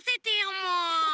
もう。